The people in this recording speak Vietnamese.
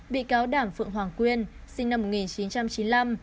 bị cáo đảng phượng hoàng quyên sinh năm một nghìn chín trăm chín mươi năm